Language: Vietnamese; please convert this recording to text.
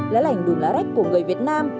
lá lành đùm lá rách của người việt nam